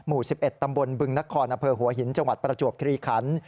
หมู่๑๑ตำบลบึงนครอำเภอหัวหินจังหวัดประจวบคลีคัน